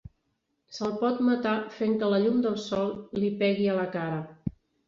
Se’l pot matar fent que la llum del sol li pegue a la cara.